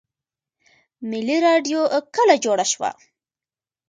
ملي راډیو کله جوړه شوه؟